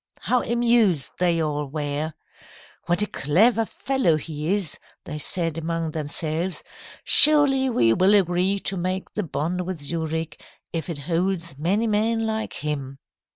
How amused they all were! "'What a clever fellow he is,' they said among themselves. 'Surely we will agree to make the bond with Zurich, if it holds many men like him.'